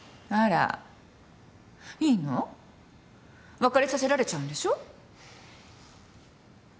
別れさせられちゃうんでしょう？